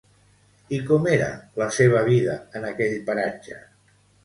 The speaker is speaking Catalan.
I com era la seva vida en aquell paratge?